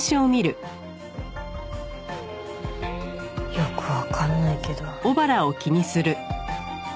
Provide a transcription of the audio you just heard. よくわかんないけど。